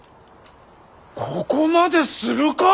ここまでするか？